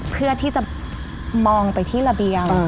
เพื่อที่จะมองไปที่ระเบียง